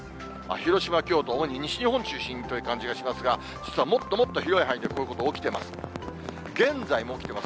広島、京都、主に西日本を中心にという感じがしますが、実はもっともっと広い範囲で、こういうこと起きています。